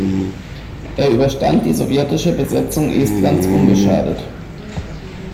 Er überstand die sowjetische Besetzung Estlands unbeschadet.